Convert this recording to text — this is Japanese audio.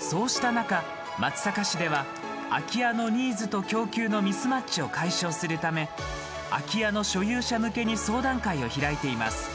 そうした中、松阪市では空き家のニーズと供給のミスマッチを解消するため空き家の所有者向けに相談会を開いています。